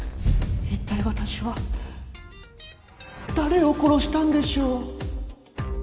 一体私は誰を殺したんでしょう？